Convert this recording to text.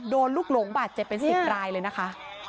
โดนลุกหลงบาดเจ็บเป็นสิบรายเลยนะคะ